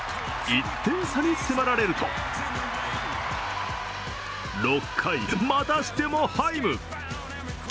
１点差に迫られると６回、またしてもハイム。